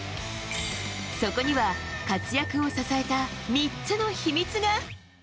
そこには、活躍を支えた３つの秘密が。